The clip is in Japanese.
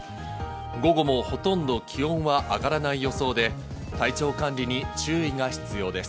午後もほとんど気温が上がらない予想で、体調管理に注意が必要です。